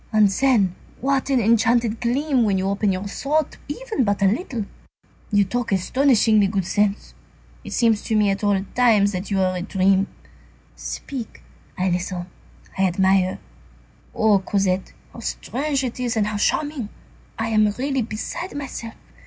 And then, what an enchanted gleam when you open your thought even but a little! You talk astonishingly good sense. It seems to me at times that you are a dream. Speak, I listen, I admire. Oh Cosette! how strange it is and how charming! I am really beside myself.